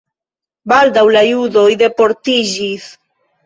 Baldaŭ la judoj deportiĝis.